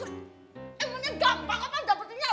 emangnya gampang apa dapetinnya